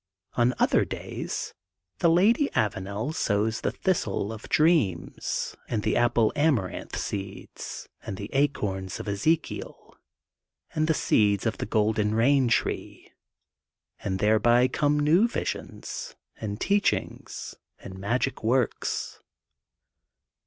ON OTHER DATS THE LADT AVANEL SOWS THE THISTLE OF DREAMS AND THE APPLE AMARANTH SEEDS AND THE .ACORNS OF EZEKIEL AND THE SEEDS OF THE GOLDEN RAIN TREE AND THEREBT COMB NEW VISIONS AND TEACHINGS AND MAGIC WORKS.